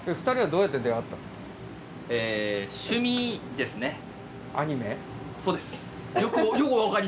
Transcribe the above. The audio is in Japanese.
２人はどうやって出会ったの？